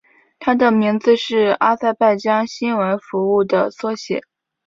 它的名称是阿塞拜疆新闻服务的缩写。